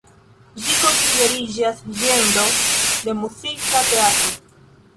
Ĝi konsideriĝas ĝenro de muzika teatro.